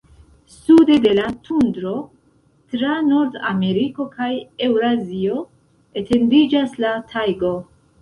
Sude de la tundro, tra Nordameriko kaj Eŭrazio, etendiĝas la tajgo.